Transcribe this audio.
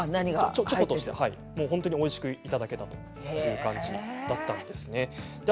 チョコとして本当においしくいただけたという感じだったんですね。